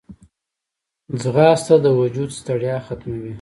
ځغاسته د وجود ستړیا ختموي